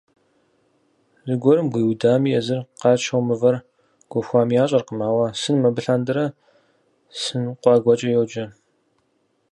Зыгуэрым гуиудами, езыр къачэу мывэр гуэхуами ящӀэркъым, ауэ сыным абы лъандэрэ «Сын къуагуэкӀэ» йоджэ.